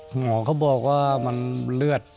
หมอเขาบอกว่ามันเลือด